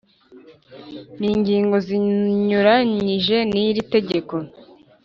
ningingo zinyuranyije n’iri tegeko